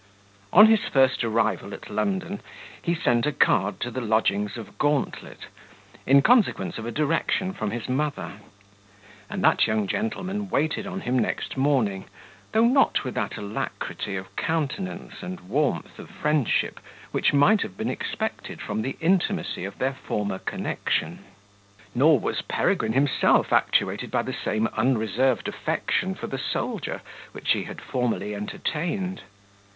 On his first arrival at London, he sent a card to the lodgings of Gauntlet, in consequence of a direction from his mother; and that young gentleman waited on him next morning, though not with that alacrity of countenance and warmth of friendship which might have been expected from the intimacy of their former connection. Nor was Peregrine himself actuated by the same unreserved affection for the soldier which he had formerly entertained.